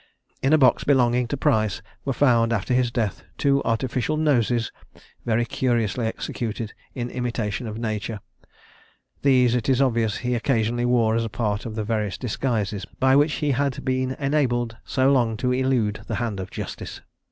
In a box belonging to Price were found, after his death, two artificial noses, very curiously executed, in imitation of nature. These, it is obvious, he occasionally wore as a part of the various disguises by which he had been enabled so long to elude the hand of justice.